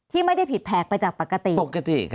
ที่ไม่ได้ผิดแผกไปจากปกติปกติ